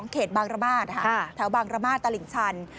เขตบางระมาทแถวบางระมาทตลิ่งชัน